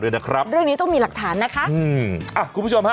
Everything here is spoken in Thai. ด้วยนะครับเรื่องนี้ต้องมีหลักฐานนะคะอืมอ่ะคุณผู้ชมฮะ